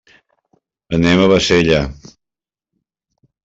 Anem a Bassella.